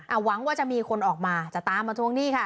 หวังว่าจะมีคนออกมาจะตามมาทวงหนี้ค่ะ